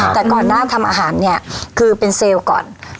แต่ก่อนหน้าทำอาหารเนี่ยคือเป็นเซลล์ก่อน